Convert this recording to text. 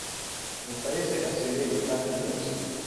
Nel paese ha sede il Trident Racing.